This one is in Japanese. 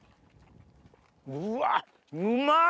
うわっうまい！